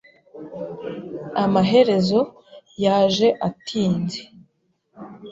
Amaherezo, yaje atinze .